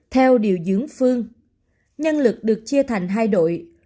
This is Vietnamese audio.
theo điều dưỡng phương nhân lực được chia thành hai đội